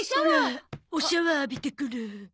オラおシャワー浴びてくる。